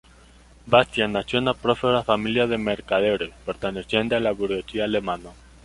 Bastian nació en una próspera familia de mercaderes perteneciente a la burguesía alemana.